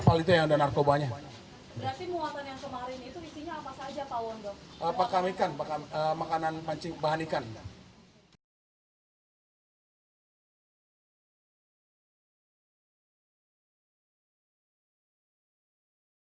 pemeriksaan dihentikan setelah tidak ditemukannya narkotika yang semula disebut sebut akan diseludupkan ke wilayah indonesia sebanyak tiga ton pada dua puluh tiga februari lalu